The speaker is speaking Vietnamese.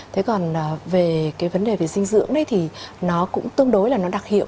thế còn về cái vấn đề về dinh dưỡng ấy thì nó cũng tương đối là nó đặc hiệu